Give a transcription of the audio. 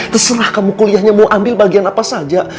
terserah kamu kuliahnya mau ambil bagian apa saja